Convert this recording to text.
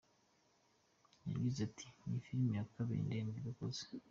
Yagize ati : “Iyi ni Film ya kabiri ndende dukoze.